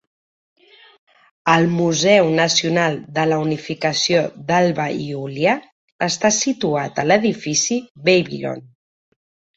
El Museu Nacional de la Unificació d'Alba Iulia està situat a l'edifici "Babylon".